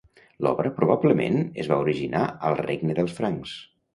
L'obra probablement es va originar al Regne dels Francs.